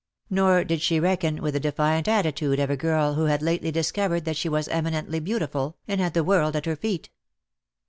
Nor did she reckon with the defiant attitude of a girl who had lately discovered that she was eminently beautiful, and had the world at her feet.